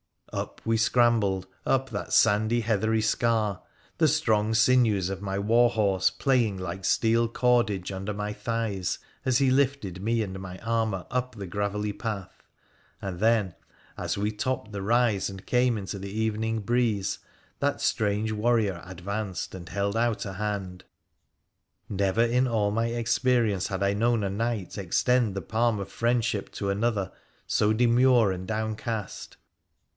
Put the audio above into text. Up we scrambled up that sandy heathery scar, the strong sinews of my war horse playing like steel cordage under my thighs as he lifted me and my armour up the gravelly path, and then, as we topped the rise and came into the evening breeze, that strange warrior advanced and held out a hand. Never in all my experience had I known a knight extend the palm of friendship to another so demure and downcast.